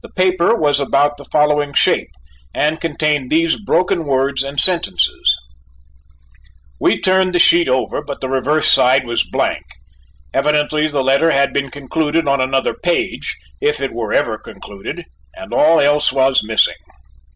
The paper was about the following shape, and contained these broken words and sentences: [Illustration: Handwritten note] We turned the sheet over, but the reverse side was blank: evidently the letter had been concluded on another page, if it were ever concluded, and all else was missing.